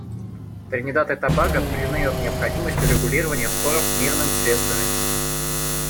Тринидад и Тобаго признает необходимость урегулирования споров мирными средствами.